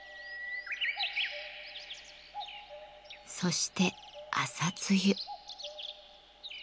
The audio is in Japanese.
そして朝露。